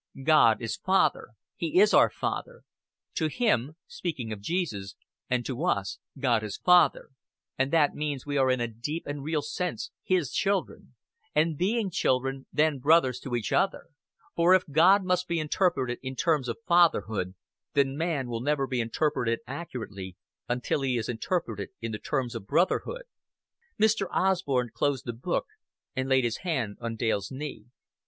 "'God is Father; He is our Father. To Him' speaking of Jesus 'and to us God is Father, and that means that we are in a deep and real sense His children, and, being children, then brothers to each other; for if God must be interpreted in terms of fatherhood, then man will never be interpreted accurately until he is interpreted in the terms of brotherhood.'" Mr. Osborn closed the book and laid his hand on Dale's knee.